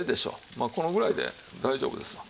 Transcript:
まあこのぐらいで大丈夫ですわ。